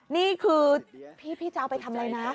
นี่คือพี่จะเอาไปทำอะไรนะ